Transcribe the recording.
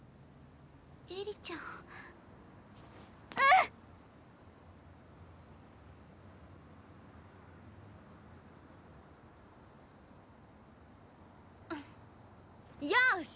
絵里ちゃんうん！よし！